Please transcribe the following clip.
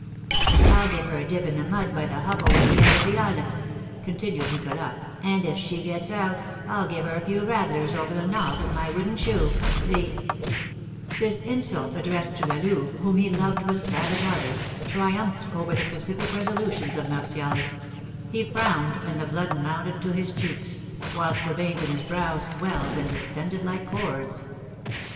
"And I'll give her a dip in the mud by the hovel at the end of the island," continued Nicholas; "and, if she gets out, I'll give her a few rattlers over the nob with my wooden shoe, the " This insult addressed to La Louve, whom he loved with savage ardour, triumphed over the pacific resolutions of Martial; he frowned, and the blood mounted to his cheeks, whilst the veins in his brow swelled and distended like cords.